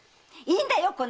いいんだよ！